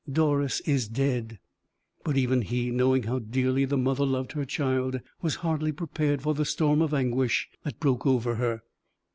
Doris is dead!" But even he, knowing how dearly the mother loved her child, was hardly prepared for the storm of anguish that broke over her.